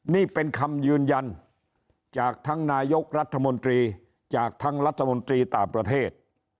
นี่เป็นคำยืนยันจากทั้งนายกรัฐมนตรีจากทั้งรัฐมนตรีต่างประเทศ